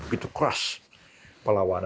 begitu keras pelawanan itu